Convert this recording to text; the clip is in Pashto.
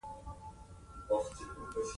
دا هم د خوشالۍ او نیکمرغۍ بله نښه ده.